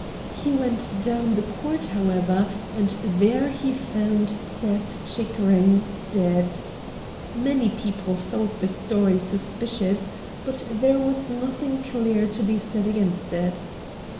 He went down the court, however, and there he found Seth Chickering dead. Many people thought the story sus picious, but there was nothing clear to be A NINE DAYS' WONDER 203 said against it.